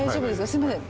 すいません